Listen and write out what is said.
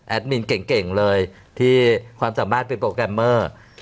มินเก่งเลยที่ความสามารถเป็นโปรแกรมเมอร์